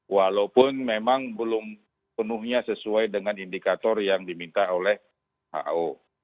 walaupun memang belum penuhnya sesuai dengan indikator yang diminta oleh who